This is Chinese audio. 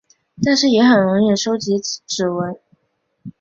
但是也很容易收集指纹。